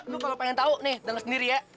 lo kalau pengen tahu nih denger sendiri ya